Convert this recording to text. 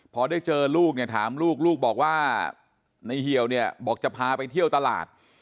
พอได้เจอลูกเนี่ยถามลูกลูกบอกว่าในเหี่ยวเนี่ยบอกจะพาไปเที่ยวตลาด